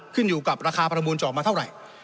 ขึ้นอยู่กับราคาประมูลจะออกมาเท่าไหร่